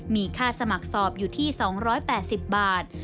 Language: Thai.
มีค่าสมัครสอบอยู่ที่๒๘๐บาท